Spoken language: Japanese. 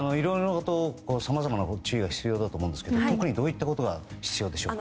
さまざまな注意が必要だと思いますが特にどういったことが必要でしょうか。